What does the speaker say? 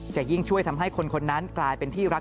จะยิ่งช่วยทำให้คนนั้นกลายเป็นที่รัก